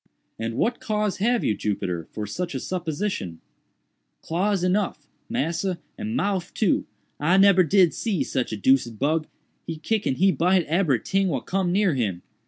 "And what cause have you, Jupiter, for such a supposition?" "Claws enuff, massa, and mouff too. I nebber did see sick a deuced bug—he kick and he bite ebery ting what cum near him.